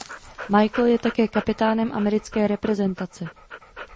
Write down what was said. Michael je také kapitánem americké reprezentace.